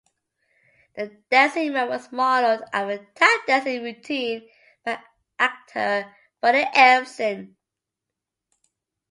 The dancing man was modeled after a tap dancing routine by actor Buddy Ebsen.